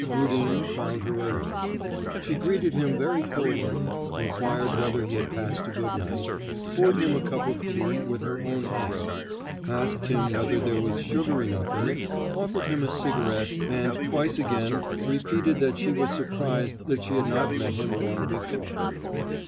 Rudin found her alone. She greeted him very cordially, inquired whether he had passed a good night, poured him out a cup of tea with her own hands, asked him whether there was sugar enough in it, offered him a cigarette, and twice again repeated that she was surprised that she had not met him long before.